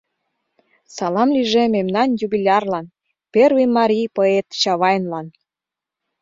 Салам лийже мемнан юбилярлан, Первый марий поэт Чавайнлан!